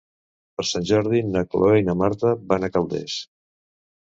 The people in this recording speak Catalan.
Per Sant Jordi na Cloè i na Marta van a Calders.